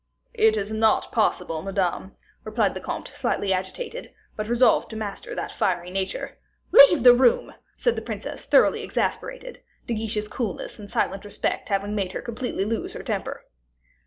"It is not possible, Madame," replied the comte, slightly agitated, but resolved to master that fiery nature. "Leave the room!" said the princess, thoroughly exasperated, De Guiche's coolness and silent respect having made her completely lose her temper.